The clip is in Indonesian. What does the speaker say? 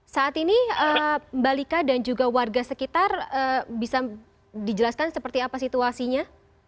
saat ini mbak lika dan juga warga sekitar bisa dijelaskan seperti apa situasinya